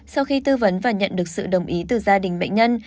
sau khi tư vấn và nhận được sự đồng ý từ gia đình bệnh nhân